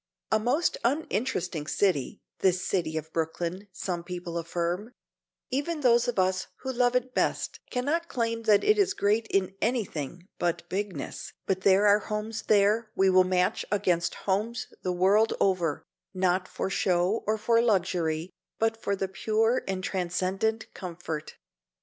A most uninteresting city, this city of Brooklyn, some people affirm; even those of us who love it best cannot claim that it is great in anything but "bigness" but there are homes there we will match against homes the world over, not for show or for luxury, but for pure and transcendent comfort.